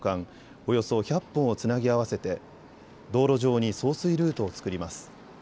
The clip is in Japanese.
およそ１００本をつなぎ合わせて道路上に送水ルートを作ります。